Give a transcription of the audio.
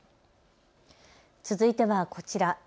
続いてはこちら。